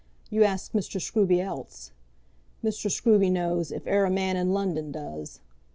You ask Mr. Scruby else. Mr. Scruby knows, if ere a man in London does.